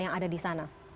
yang ada di sana